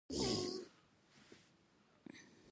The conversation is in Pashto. ولایتونه د افغانستان د طبیعت د ښکلا برخه ده.